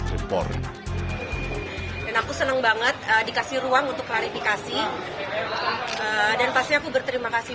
impor dan aku senang banget dikasih ruang untuk klarifikasi dan pasti aku berterima kasih